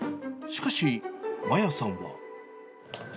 しかし、麻椰さんは。